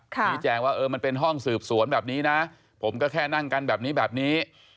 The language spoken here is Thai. ชี้แจงว่าเออมันเป็นห้องสืบสวนแบบนี้นะผมก็แค่นั่งกันแบบนี้แบบนี้